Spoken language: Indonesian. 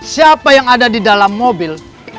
siapa yang ada di dalam mobil